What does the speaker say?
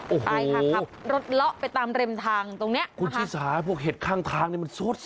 โอ้โหกับรถเลาะไปตามเร็มทางตรงเนี้ยคุณศีรษาพวกเห็ดข้างทางเนี้ยมันสด